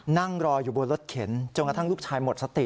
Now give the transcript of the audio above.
นั่งรออยู่บนรถเข็นจนกระทั่งลูกชายหมดสติ